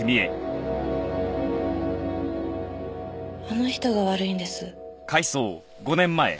あの人が悪いんです。